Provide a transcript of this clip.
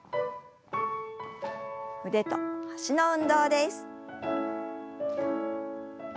腕と脚の運動です。